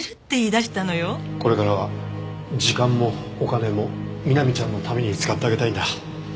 これからは時間もお金も美波ちゃんのために使ってあげたいんだ。